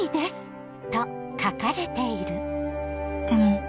でも